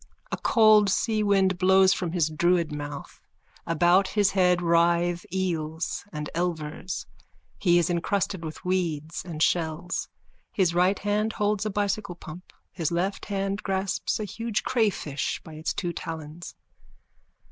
A cold seawind blows from his druid mouth. About his head writhe eels and elvers. He is encrusted with weeds and shells. His right hand holds a bicycle pump. His left hand grasps a huge crayfish by its two talons.)